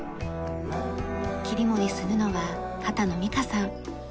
切り盛りするのは畑野美香さん。